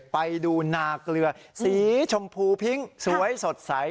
ไปดูนาเกลือสีชมพูพิ้งสวยสดใส